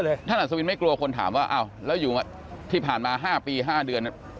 ท่านอัศวินไม่กลัวคนถามว่าอ้าวแล้วอยู่ที่ผ่านมา๕ปี๕เดือน